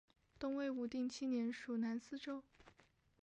东魏武定七年属南司州。